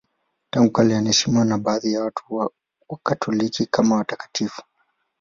Tangu kale anaheshimiwa na baadhi ya Wakatoliki kama mtakatifu.